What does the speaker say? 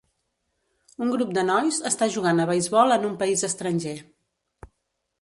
Un grup de nois està jugant a beisbol en un país estranger.